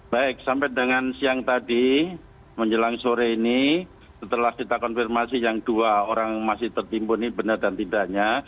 baik sampai dengan siang tadi menjelang sore ini setelah kita konfirmasi yang dua orang masih tertimbun ini benar dan tidaknya